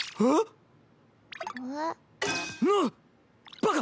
バカ！